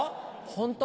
ホント？